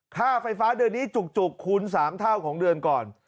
ค่าไฟฟ้าเดือนนี้จุกคูณ๓เท่าของเดือนก่อน